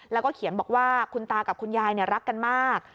แล้วก็เขียนบอกว่าคุณตากับคุณยายรักกันมาก